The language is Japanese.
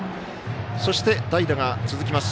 そして、代打が続きます。